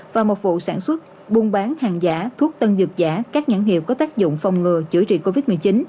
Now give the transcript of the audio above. và một vụ sản xuất buôn bán hàng giả thuốc tân dược giả các nhãn hiệu có tác dụng phòng ngừa chữa trị covid một mươi chín